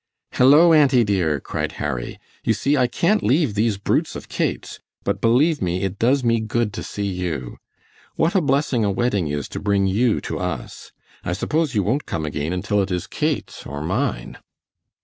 "Hello, auntie dear," cried Harry. "You see I can't leave these brutes of Kate's, but believe me it does me good to see you. What a blessing a wedding is to bring you to us. I suppose you won't come again until it is Kate's or mine."